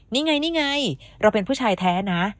นี่ไงนี่ไงเราเป็นผู้ชายแท้นะ